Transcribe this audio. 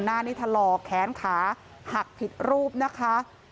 หน้านี้ถลอกแขนขาหักผิดรูปนะคะ